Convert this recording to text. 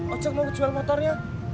ocak mau ngejual motornya